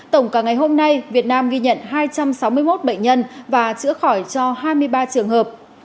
tổng cả ngày hôm nay việt nam ghi nhận hai trăm sáu mươi một bệnh nhân và chữa khỏi cho hai mươi ba trường hợp